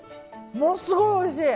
ものすごいおいしい！